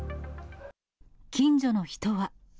近所の人は。